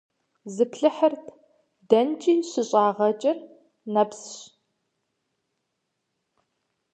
Зыплъыхьыт – дэнкӀи щыщӀагъэкӀыр нэпс…